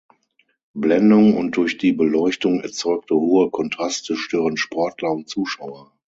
Blendung und durch die Beleuchtung erzeugte hohe Kontraste stören Sportler und Zuschauer.